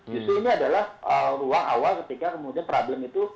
justru ini adalah ruang awal ketika kemudian problem itu